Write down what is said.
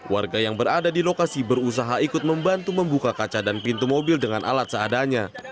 warga yang berada di lokasi berusaha ikut membantu membuka kaca dan pintu mobil dengan alat seadanya